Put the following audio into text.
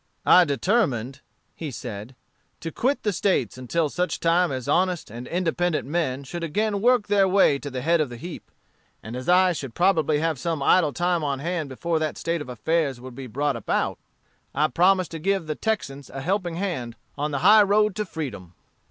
I determined, he said, "to quit the States until such time as honest and independent men should again work their way to the head of the heap. And as I should probably have some idle time on hand before that state of affairs would be brought about, I promised to give the Texans a helping hand on the high road to freedom."